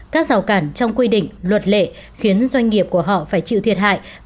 các rào cản trong quy định luật lệ khiến doanh nghiệp của họ phải chịu thiệt hại